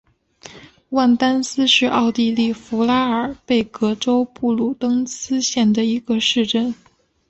万丹斯是奥地利福拉尔贝格州布卢登茨县的一个市镇。